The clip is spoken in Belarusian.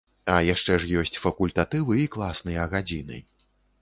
А яшчэ ж ёсць факультатывы і класныя гадзіны.